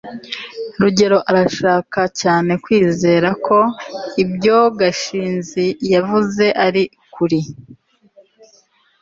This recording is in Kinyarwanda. rugeyo arashaka cyane kwizera ko ibyo gashinzi yavuze ari ukuri